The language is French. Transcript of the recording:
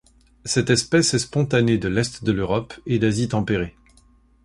Cette espèce est spontanée de l'est de l'Europe et d'Asie tempérée.